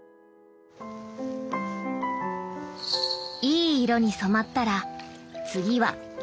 いい色に染まったら次は媒染。